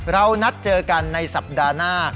เรานัดเจอกันในสัปดาห์หน้า